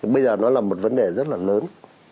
bây giờ nó là một vấn đề rất là lớn